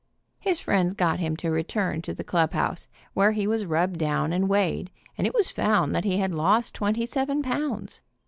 His friends got him to return to the clubhouse, where he was rubbed down and weighed, and it was found that he had lost twenty seven pounds.